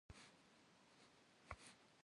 Yilhesış'er vunem khidğehaş.